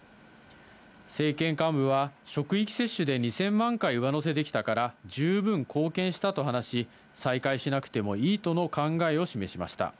政権幹部は、職域接種で２０００万回上乗せできたから、十分貢献したと話し、再開しなくてもいいとの考えを示しました。